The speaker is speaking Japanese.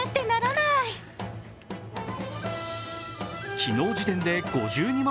昨日時点で５２万